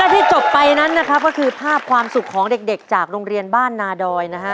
ที่จบไปนั้นนะครับก็คือภาพความสุขของเด็กจากโรงเรียนบ้านนาดอยนะฮะ